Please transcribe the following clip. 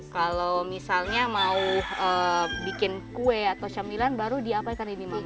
kalau misalnya mau bikin kue atau cemilan baru diapakan ini mamanya